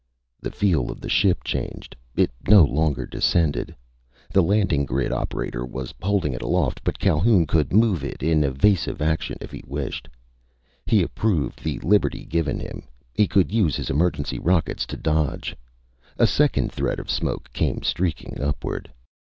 _" The feel of the ship changed. It no longer descended. The landing grid operator was holding it aloft, but Calhoun could move it in evasive action if he wished. He approved the liberty given him. He could use his emergency rockets to dodge. A second thread of smoke came streaking upward.